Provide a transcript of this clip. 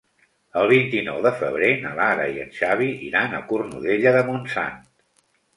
El vint-i-nou de febrer na Lara i en Xavi iran a Cornudella de Montsant.